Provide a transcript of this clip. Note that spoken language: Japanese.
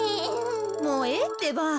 もうええってば。